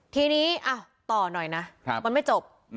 ทีนี้ต่อหน่อยนะมันไม่จบ